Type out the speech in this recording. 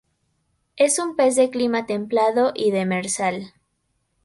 Es un pez de clima templado y demersal.